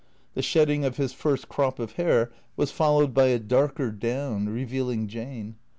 The shedding of his first crop of hair was followed by a darker down, revealing Jane.